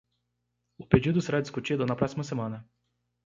O pedido será discutido na próxima semana.